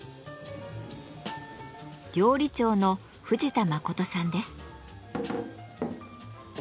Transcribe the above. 料理長の藤田信さんです。